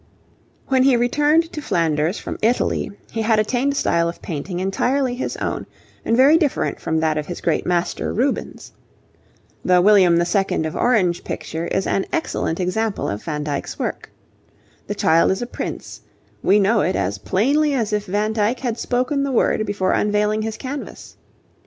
When he returned to Flanders from Italy, he had attained a style of painting entirely his own and very different from that of his great master, Rubens. The William II of Orange picture is an excellent example of Van Dyck's work. The child is a prince: we know it as plainly as if Van Dyck had spoken the word before unveiling his canvas.